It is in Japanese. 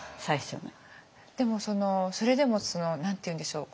でもそれでも何て言うんでしょう